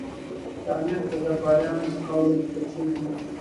د امیر د درباریانو له قوله لیکل شوي دي.